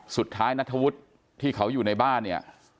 สุดท้ายนัฐวุธที่เขาอยู่ในบ้านเนี่ย